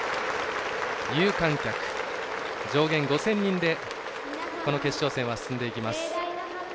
有観客、上限５０００人でこの決勝戦進んでいきます。